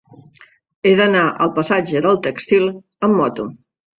He d'anar al passatge del Tèxtil amb moto.